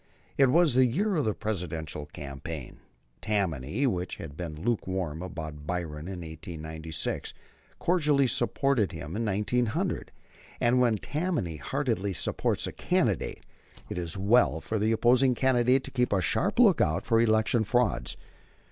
It was the year of the Presidential campaign. Tammany, which had been lukewarm about Bryan in 1896, cordially supported him in 1900; and when Tammany heartily supports a candidate it is well for the opposing candidate to keep a sharp lookout for election frauds.